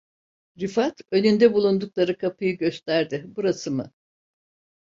Rifat önünde bulundukları kapıyı gösterdi: "Burası mı?"